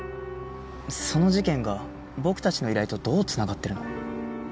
その事件が僕たちの依頼とどう繋がってるの？